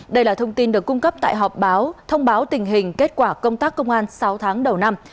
đây là thông tin được cung cấp tại họp báo thông báo tình hình kết quả công tác công an sáu tháng đầu năm